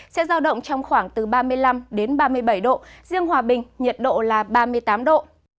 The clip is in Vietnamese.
sẽ giao động trong khoảng từ ba mươi năm đến ba mươi bảy độ riêng hòa bình nhiệt độ là ba mươi tám độ